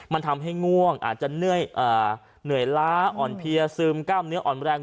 มันทำให้ง่วงอาจจะเหนื่อยล้าอ่อนเพลียซึมกล้ามเนื้ออ่อนแรง